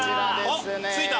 おっ着いた？